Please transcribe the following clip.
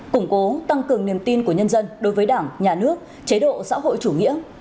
củng cố tăng cường niềm tin của nhân dân đối với đảng nhà nước chế độ xã hội chủ nghĩa